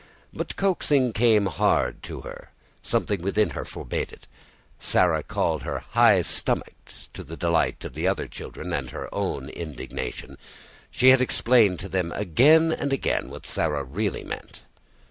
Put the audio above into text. But coaxing came hard to her; something within her forbade it. Sarah called her "high stomached", to the delight of the other children and her own indignation; she had explained to them again and again what Sarah really meant.